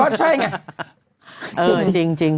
ก็ใช่ไงเออจริง